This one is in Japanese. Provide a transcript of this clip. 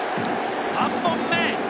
３本目！